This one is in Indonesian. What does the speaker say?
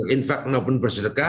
infaktena pun bersyarika